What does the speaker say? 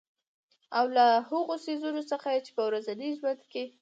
او له هـغو څـيزونه څـخـه چـې په ورځـني ژونـد کـې